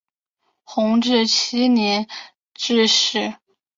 弘治七年致仕。